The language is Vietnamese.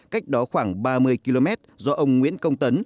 cách đó khoảng ba mươi km do ông nguyễn công tấn